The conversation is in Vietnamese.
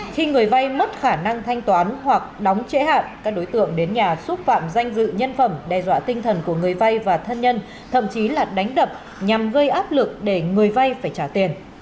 khi người vay mất khả năng thanh toán hoặc đóng trễ hạn các đối tượng đến nhà xúc phạm danh dự nhân phẩm đe dọa tinh thần của người vay và thân nhân thậm chí là đánh đập nhằm gây áp lực để người vay phải trả tiền